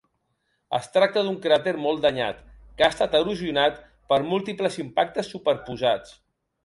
Es tracta d'un cràter molt danyat, que ha estat erosionat per múltiples impactes superposats.